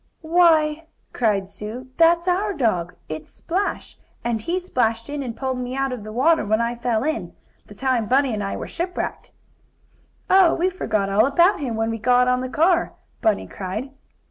"Why why!" cried Sue, "that's our dog it's Splash, and he splashed in and pulled me out of the water when I fell in, the time Bunny and I were shipwrecked!" "Oh, we forgot all about him, when we got on the car," Bunny cried.